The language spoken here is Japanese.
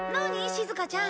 しずかちゃん。